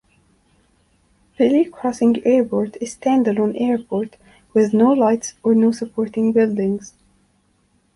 Pelly Crossing Airport is standalone airport with no lights or no supporting buildings.